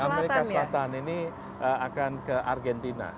amerika selatan ini akan ke argentina